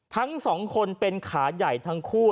ทั้งสองคนเป็นขาใหญ่ทั้งคู่